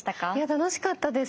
楽しかったです！